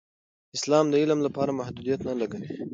اسلام د علم لپاره محدودیت نه لګوي.